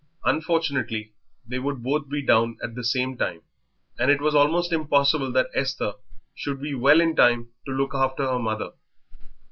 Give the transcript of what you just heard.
Unfortunately they would both be down at the same time, and it was almost impossible that Esther should be well in time to look after her mother.